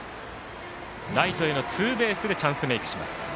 ライトへのツーベースでチャンスメークします。